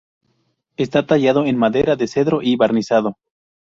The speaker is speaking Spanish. Está tallado en madera de cedro y barnizado.